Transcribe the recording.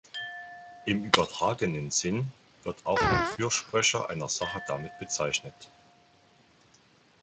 Im übertragenen Sinn wird auch ein Fürsprecher einer Sache damit bezeichnet.